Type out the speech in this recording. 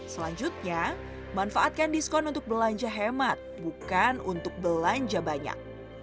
selanjutnya manfaatkan diskon untuk belanja hemat bukan untuk belanja banyak